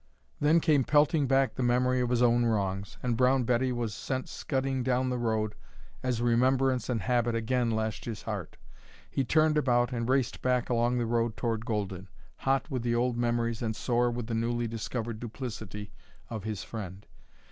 Then came pelting back the memory of his own wrongs, and Brown Betty was sent scudding down the road as remembrance and habit again lashed his heart. He turned about and raced back along the road toward Golden, hot with the old memories and sore with the newly discovered duplicity of his friend.